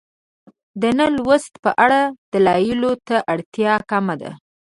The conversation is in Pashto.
د نه لوست په اړه دلایلو ته اړتیا کمه ده.